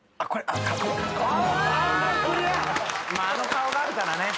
あの顔があるからね。